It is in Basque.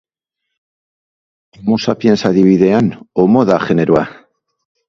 Homo sapiens adibidean Homo da generoa.